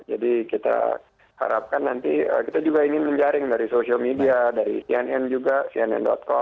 jadi kita harapkan nanti kita juga ingin menjaring dari sosial media dari cnn juga cnn com